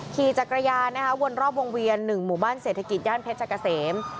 ขี่จักรยานนะคะวนรอบวงเวียน๑หมู่บ้านเศรษฐกิจย่านเพชรกะเสม